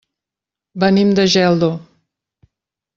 Venim de Geldo.